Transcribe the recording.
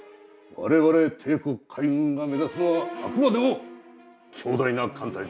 我々帝国海軍が目指すのはあくまでも強大な艦隊だ。